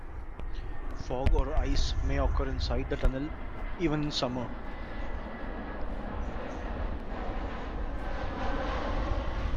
Fog or ice may occur inside the tunnel, even in summer.